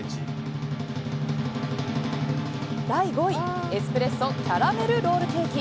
第５位、エスプレッソキャラメルロールケーキ